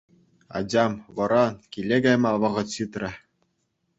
Ачам, вӑран, киле кайма вӑхӑт ҫитрӗ.